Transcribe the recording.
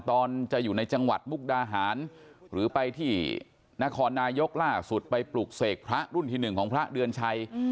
ตอนจะอยู่ในจังหวัดมุกดาหารหรือไปที่นครนายกล่าสุดไปปลุกเสกพระรุ่นที่๑ของพระเดือนชัย